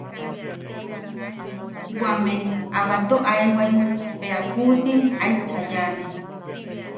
Wame a batoo aewaim bea kuusim aet chayaane.